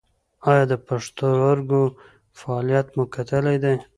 ایا د پښتورګو فعالیت مو کتلی دی؟